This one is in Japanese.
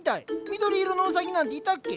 緑色のウサギなんていたっけ？